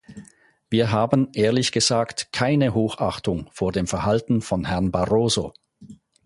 Wir haben ehrlich gesagt keine Hochachtung vor dem Verhalten von Herrn Barroso.